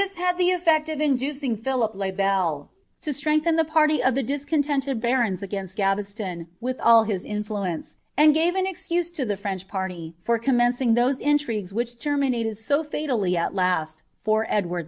* had the elTecl of inducing Philip le Bel to slreu^hen tlie party of Iftr discontented barons against Gtiveslon, with alt his miluence, auil gvn a excuse to the French party for commencing those intrigiiea wbjck k^ niinated so fatally al last for Edward II.